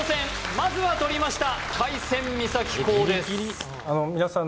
まずはとりました